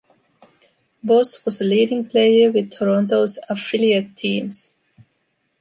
Voss was a leading player with Toronto's affiliate teams.